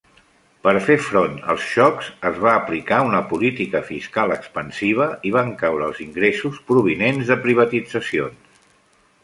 Per fer front als xocs, es va aplicar una política fiscal expansiva i van caure els ingressos provinents de privatitzacions.